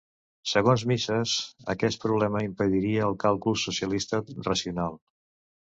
Segons Mises, aquest problema impediria el càlcul socialista racional.